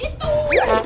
itu itu itu